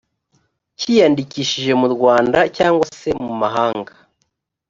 cyiyandikishije mu rwanda cyangwa se mumahanga